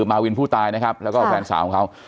มาวินผู้ตายนะครับแล้วก็แฟนสาวของเขา